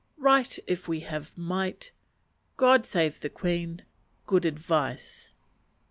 Right if we have Might. God save the Queen. Good Advice.